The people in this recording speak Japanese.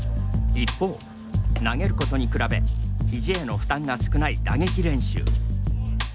一方投げることに比べひじへの負担が少ない打撃練習。